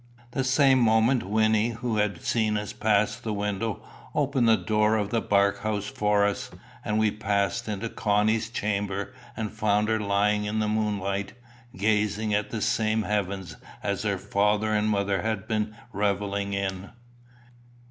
The same moment Wynnie, who had seen us pass the window, opened the door of the bark house for us, and we passed into Connie's chamber and found her lying in the moonlight, gazing at the same heavens as her father and mother had been revelling in.